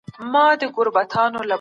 تعاون د ټولني بنسټیز ضرورت دی.